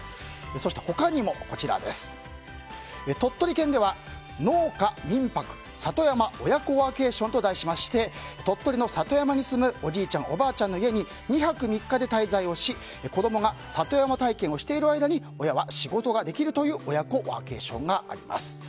そして、他にも鳥取県では農家民泊・里山親子ワーケーションと題して鳥取の里山に住むおじいちゃん、おばあちゃんの家に２泊３日で滞在をし、子供が里山体験をしている間に親は仕事ができるという親子ワーケーションがあります。